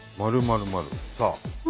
「○○○」さあ。